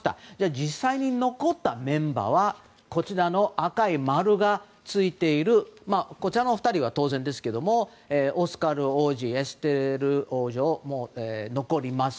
実際、残ったメンバーはこちらの赤い丸がついているご両親お二人は当然ですけどもオスカル王子、エステル王女は残ります。